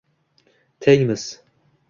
Tengmiz